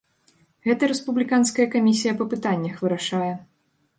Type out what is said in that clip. Гэта рэспубліканская камісія па пытаннях вырашае.